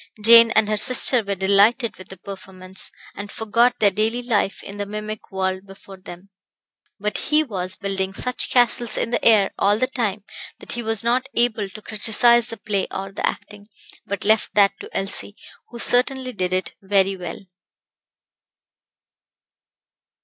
Jane and her sister were delighted with the performance, and forgot their daily life in the mimic world before them; but he was building such castles in the air all the time that he was not able to criticise the play or the acting, but left that to Elsie, who certainly did it very well.